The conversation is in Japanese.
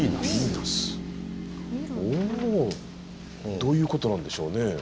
どういうことなんでしょうね。